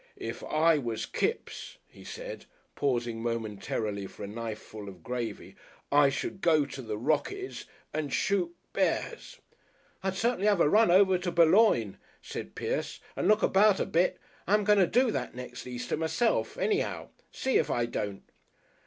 "If I was Kipps," he said, pausing momentarily for a knifeful of gravy, "I should go to the Rockies and shoot bears." "I'd certainly 'ave a run over to Boulogne," said Pierce, "and look about a bit. I'm going to do that next Easter myself, anyhow see if I don't."